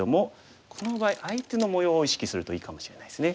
この場合相手の模様を意識するといいかもしれないですね。